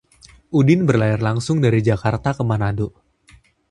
Udin berlayar langsung dari Jakarta ke Manado